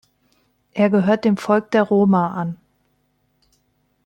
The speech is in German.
Er gehört dem Volk der Roma an.